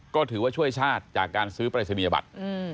ก็ถือว่าช่วยชาติจากการซื้อปรายศนียบัตร